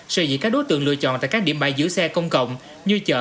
sự dị các đối tượng lựa chọn tại các điểm bãi giữ xe công cộng như chợ